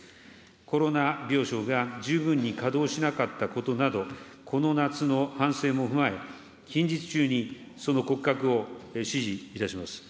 コロナ病床が十分に稼働しなかったことなど、この夏の反省も踏まえ、近日中に、その骨格を指示いたします。